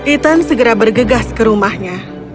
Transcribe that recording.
ethan segera bergegas ke rumahnya